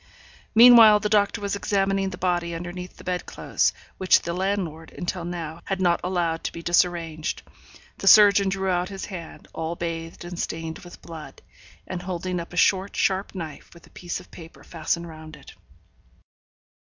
Meanwhile, the doctor was examining the body underneath the bed clothes, which the landlord, until now, had not allowed to be disarranged. The surgeon drew out his hand, all bathed and stained with blood; and holding up a short, sharp knife, with a piece of paper fastened round it.